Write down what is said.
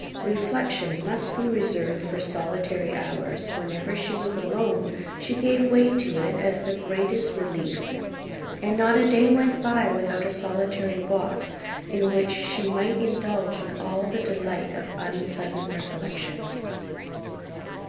Reflection must be reserved for solitary hours: whenever she was alone, she gave way to it as the greatest relief; and not a day went by without a solitary walk, in which she might indulge in all the delight of unpleasant recollections.